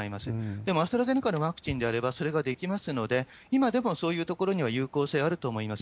でもアストラゼネカのワクチンではそれができますので、今でもそういう所には有効性あると思います。